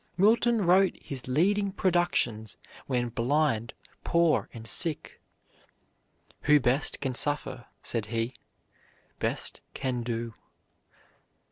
Milton wrote his leading productions when blind, poor, and sick. "Who best can suffer," said he, "best can do."